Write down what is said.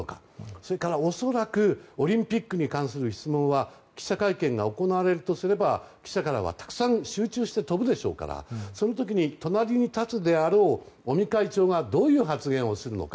それから恐らくオリンピックに関する質問は記者会見が行われるとすれば記者からはたくさん集中して飛ぶでしょうからそういう時に隣に立つであろう尾身会長がどういう発言をするのか。